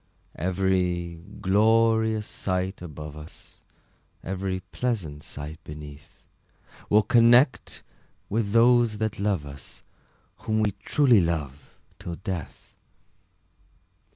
Every glorious sight above us, Every pleasant sight beneath, We'll connect with those that love us, Whom we truly love till death!